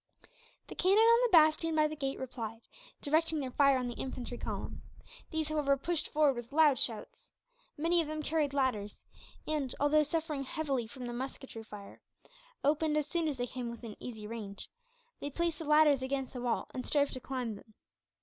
The cannon on the bastion by the gate replied, directing their fire on the infantry column. These, however, pushed forward with loud shouts. Many of them carried ladders and, although suffering heavily from the musketry fire opened as soon as they came within easy range they placed the ladders against the wall, and strove to climb them.